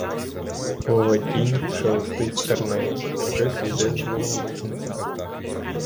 Пливе тінь, шелестить стернею: щось іде з другого кінця.